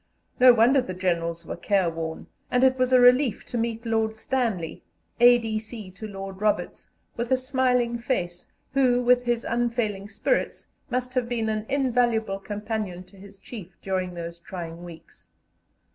No wonder the Generals were careworn, and it was a relief to meet Lord Stanley, A.D.C. to Lord Roberts, with a smiling face, who, with his unfailing spirits, must have been an invaluable companion to his chief during those trying weeks.